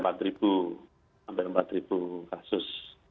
hampir empat kasus